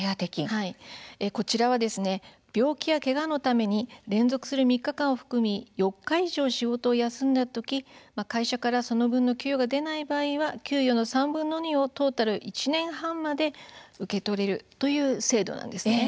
こちらは病気やけがのために連続する３日間を含み４日以上仕事を休んだ場合会社からその分の給与が出ない場合は給与の３分の２をトータル１年半まで受け取れるという制度なんです。